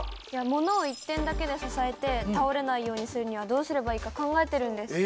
ものを１点だけで支えて倒れないようにするにはどうすればいいか考えてるんです。